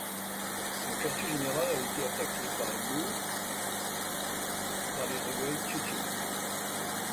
Son quartier général a été attaqué le par les rebelles tchétchènes.